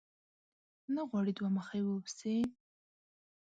نه غواړې دوه مخی واوسې؟